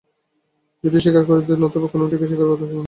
হয় দুইটিই স্বীকার করিতে হয়, নতুবা কোনটিকেই স্বীকার করা চলে না।